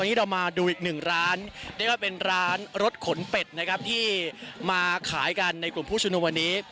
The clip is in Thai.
วันนี้เรามาดูอีกหนึ่งร้านเรียกว่าเป็นร้านรถขนเป็ดนะครับที่มาขายกันในกลุ่มผู้ชุมนุมวันนี้